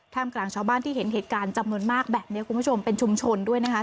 กลางชาวบ้านที่เห็นเหตุการณ์จำนวนมากแบบนี้คุณผู้ชมเป็นชุมชนด้วยนะคะ